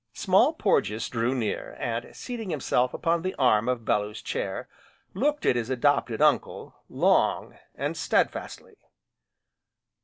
Small Porges drew near, and, seating himself upon the arm of Bellew's chair, looked at his adopted uncle, long, and steadfastly.